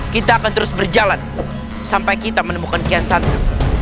kita akan terus berjalan sampai kita menemukan kian santri